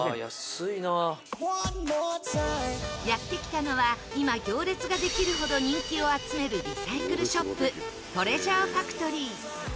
やって来たのは今行列ができるほど人気を集めるリサイクルショップトレジャーファクトリー。